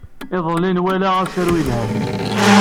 Iḍelli, nwala asaru ye lhan.